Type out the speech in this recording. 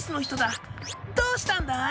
どうしたんだい？